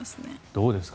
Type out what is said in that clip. どうですか？